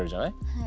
はい。